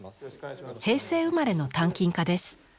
平成生まれの鍛金家です。